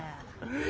え。